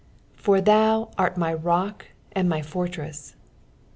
"For thou art my roei ajid my fortrest."